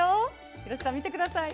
廣瀬さん見て下さい。